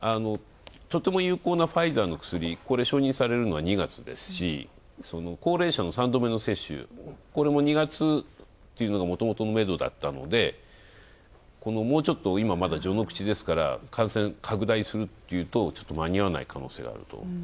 とても有効なファイザーの薬が承認されるのは２月ですし高齢者の３度目の接種、これも２月というのが、もともと、めどだったので、もうちょっと今、まだ序の口ですから、感染が拡大するっていうとちょっと間に合わない可能性があると。